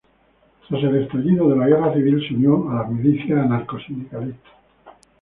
Tras el estallido de la Guerra civil se unió a las milicias anarcosindicalistas.